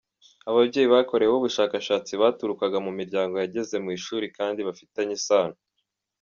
Ababyeyi bakoreweho ubushakashatsi baturukaga mu miryango yageze mu ishuri kandi bafitanye isano.